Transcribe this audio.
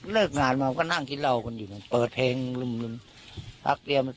เลิกงานมาก็นั่งกินเหล้ากันอยู่เปิดเพลงลึมพักเดียว